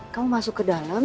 kamu masuk ke dalam